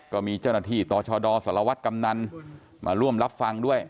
ก็มีเจ้าหน้าที่ต่อชดสารวัตรกำนันมาร่วมรับฟังด้วย